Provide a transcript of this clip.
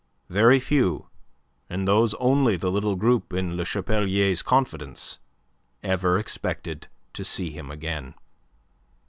Very few and those only the little group in Le Chapelier's confidence ever expected to see him again.